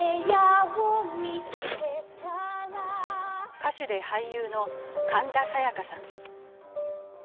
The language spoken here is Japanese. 歌手で俳優の神田沙也加さん。